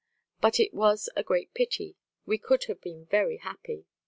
But it was a great pity; we could have been very happy.